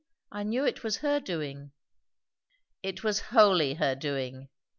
I knew it was her doing." "It was wholly her doing.